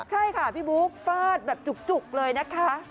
ใช่ค่ะพี่บุ๊คฟาดแบบจุกเลยนะคะ